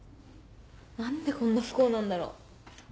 何でこんな不幸なんだろ。